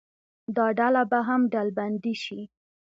دا ډله به هم ډلبندي شي.